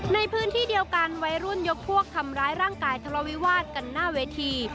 ในพื้นที่เดียวกันวัยรุ่นยกพวกทำร้ายร่างกายทะเลาวิวาสกันหน้าเวที